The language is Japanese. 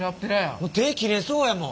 手切れそうやもん。